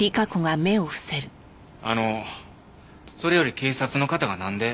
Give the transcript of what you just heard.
あのそれより警察の方がなんで？